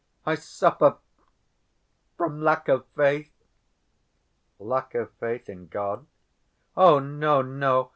"I suffer ... from lack of faith." "Lack of faith in God?" "Oh, no, no!